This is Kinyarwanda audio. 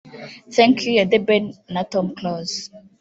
Thank You ya The Ben na Tom Close